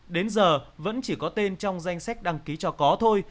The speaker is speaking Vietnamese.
đến giờ vẫn chỉ có tên trong danh sách đăng ký cho có thôi